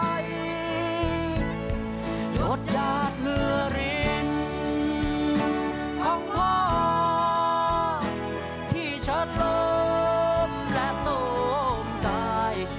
หยดหยาดเหลือรินของพระที่ชะล้มและส้มใจ